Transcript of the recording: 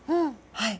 はい。